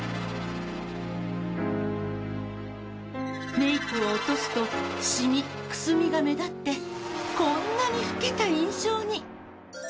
メイクを落とすとシミ・くすみが目立ってこんなに老けた印象に。